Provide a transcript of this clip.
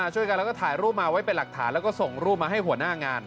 ช่วยกันแล้วก็ถ่ายรูปมาไว้เป็นหลักฐานแล้วก็ส่งรูปมาให้หัวหน้างาน